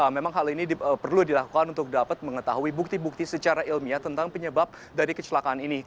memang hal ini perlu dilakukan untuk dapat mengetahui bukti bukti secara ilmiah tentang penyebab dari kecelakaan ini